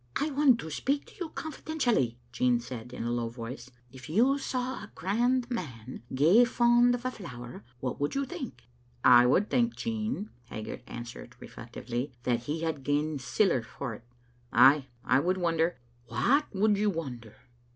'* I want to sx>eak to yon confidentially," Jean said in a low voice. " If yon saw a grand man gey fond o' a flower, what would you think?" "I would think, Jean," Haggart answered, reflec tively, "that he had gien siller for't; ay, I would wonder "" What would you wonder?"